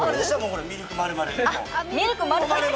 ミルク丸々も。